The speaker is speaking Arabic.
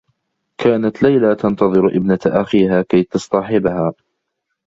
كانت ليلى تنتظر ابنة أخيها كي تصطحبها.